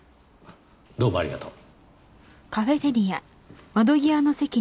どうもありがとう。